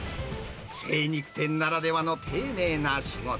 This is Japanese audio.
精肉店ならではの丁寧な仕事。